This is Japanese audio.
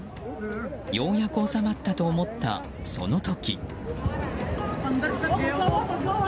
ようやく収まったと思ったその時。